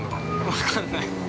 ◆分かんない。